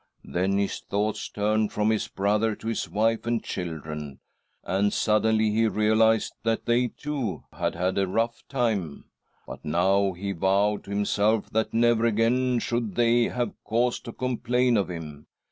Then his thoughts turned from his brother to his wife and children, and suddenly he realised that they, too, had had a rough time, but now he vowed to himself that never again should thay have cause to complain of him.